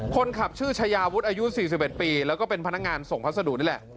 คนขับชื่อชายาวุฒิอายุ๔๑ปีแล้วก็เป็นพนักงานส่งพัสดุนี่แหละ